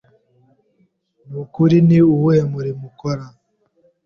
Nukuri ni uwuhe murimo ukora?